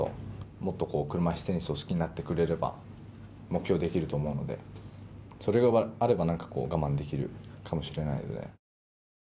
もっと車いすテニスを好きになってくれれば、目標出来ると思うので、それがあれば、なんかこう、我慢できるかもしれないので。